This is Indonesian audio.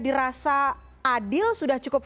dirasa adil sudah cukup